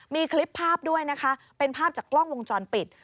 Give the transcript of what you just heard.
มีคลิปภาพด้วยนะคะเป็นภาพจากกล้องวงจรปิด